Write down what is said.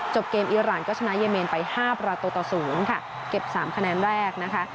เกมอีรานก็ชนะเยเมนไป๕ประตูต่อ๐ค่ะเก็บ๓คะแนนแรกนะคะ